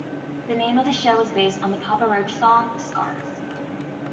The name of the show was based on the Papa Roach song "Scars".